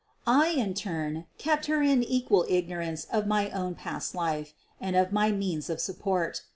I, in turn, kept her in equal ignorance of my own past life and of my means of support.